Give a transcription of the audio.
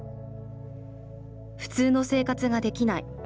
普通の生活ができない。